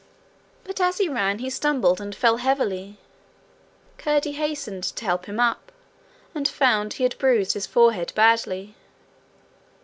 But as he ran he stumbled and fell heavily. Curdie hastened to help him up, and found he had bruised his forehead badly.